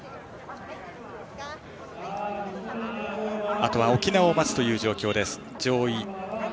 あとは沖縄を待つという状況です。